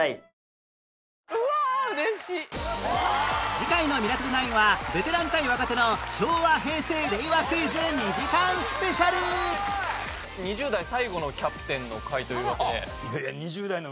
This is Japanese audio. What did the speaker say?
次回の『ミラクル９』はベテラン対若手の昭和平成令和クイズ２時間スペシャル２０代最後のキャプテンの回という事で。